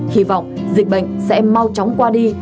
hy vọng dịch bệnh sẽ mau chóng qua đi